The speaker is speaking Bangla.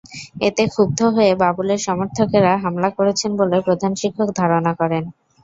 এতে ক্ষুব্ধ হয়ে বাবুলের সমর্থকেরা হামলা করেছেন বলে প্রধান শিক্ষক ধারণা করেন।